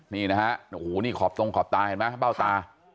นี่นะฮะโอ้โหนี่ขอบตรงขอบตาเห็นไหมเบ้าตา